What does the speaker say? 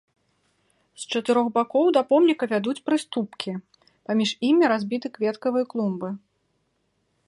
З чатырох бакоў да помніка вядуць прыступкі, паміж імі разбіты кветкавыя клумбы.